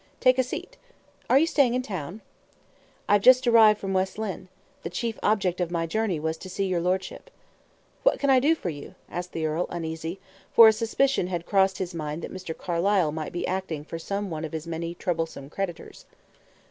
Take a seat. Are you staying in town?" "I have just arrived from West Lynne. The chief object of my journey was to see your lordship." "What can I do for you?" asked the earl, uneasily; for a suspicion had crossed his mind that Mr. Carlyle might be acting for some one of his many troublesome creditors.